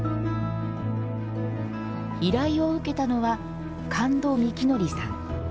依頼を受けたのは、神門幹典さん。